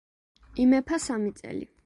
იმეფა სამი წელი.